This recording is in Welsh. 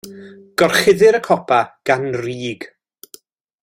Gorchuddir y copa gan rug.